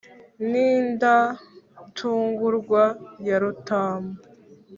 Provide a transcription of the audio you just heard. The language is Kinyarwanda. n'indatungurwa ya rutamu